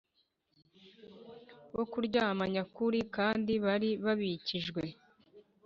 bo kuramya nyakuri kandi bari babikijwe